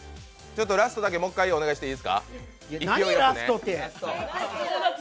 ラストだけもう一回お願いしていいいですか？